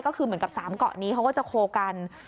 ก็คือเหมือนกับ๓เกาะนี้เขาก็จะโคกัน